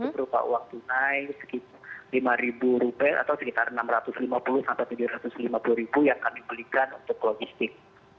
berupa uang tunai sekitar rp lima atau sekitar rp enam ratus lima puluh tujuh ratus lima puluh yang kami belikan untuk logistik